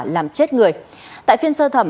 làm chết người tại phiên sơ thẩm